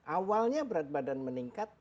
awalnya berat badan meningkat